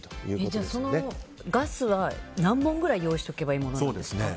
じゃあ、そのガスは何本ぐらい用意しておけばいいんですか。